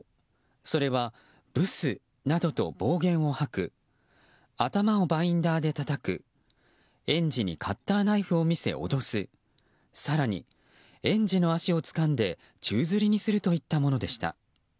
それは、ブスなどと暴言を吐く頭をバインダーでたたく園児にカッターナイフを見せ脅す更に、園児の足をつかんで宙づりにするといったものでした。